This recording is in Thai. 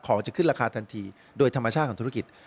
จะขึ้นราคาทันทีโดยธรรมชาติของธุรกิจ